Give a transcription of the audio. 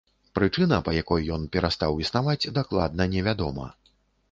Прычына, па якой ён перастаў існаваць, дакладна не вядома.